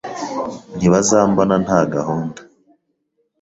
Ntibazambona nta gahunda.